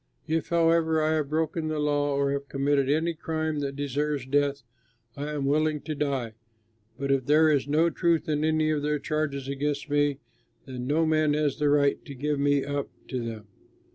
If, however, I have broken the law or have committed any crime that deserves death, I am willing to die. But if there is no truth in any of their charges against me, then no man has the right to give me up to them.